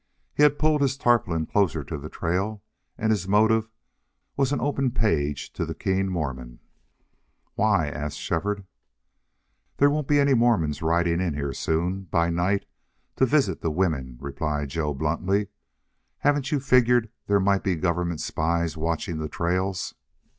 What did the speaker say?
He had pulled his tarpaulin closer to the trail, and his motive was as an open page to the keen Mormon. "Why?" asked Shefford. "There won't be any Mormons riding in here soon by night to visit the women," replied Joe, bluntly. "Haven't you figured there might be government spies watching the trails?"